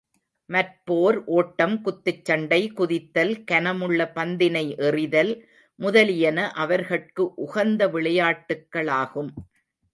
மற்போர், ஓட்டம், குத்துச் சண்டை, குதித்தல், கனமுள்ள பந்தினை எறிதல் முதலியன அவர்கட்கு உகந்தவிளையாட்டுக்களாகும்.